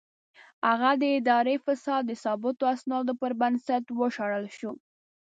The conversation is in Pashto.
هغه د اداري فساد د ثابتو اسنادو پر بنسټ وشړل شو.